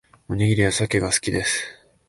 おにぎりはサケが好きです